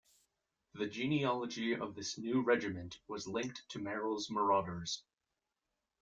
The genealogy of this new Regiment was linked to Merrill's Marauders.